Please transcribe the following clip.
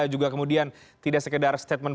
juga kemudian tidak sekedar statement